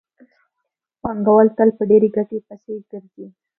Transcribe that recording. پانګوال تل په ډېرې ګټې پسې ګرځي